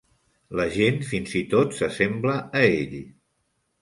La gent fins i tot s'assembla a ell.